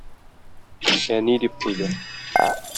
Әни! - дип куйды.